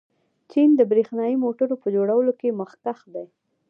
چین د برښنايي موټرو په جوړولو کې مخکښ دی.